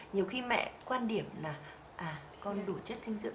nhiều khi mẹ quan điểm là con đủ chất dinh dưỡng